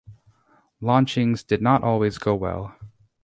Launchings did not always go well.